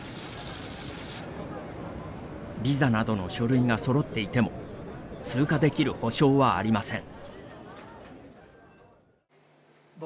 ビザなどの書類がそろっていても通過できる保証はありません。